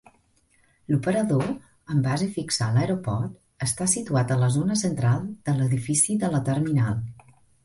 L'operador amb base fixa a l'aeroport està situat a la zona central de l'edifici de la terminal.